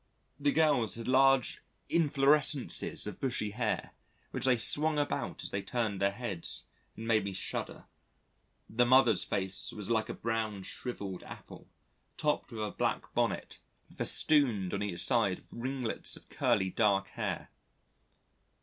The girls had large inflorescences of bushy hair which they swung about as they turned their heads and made me shudder. The mother's face was like a brown, shrivelled apple, topped with a black bonnet and festooned on each side with ringlets of curly dark hair.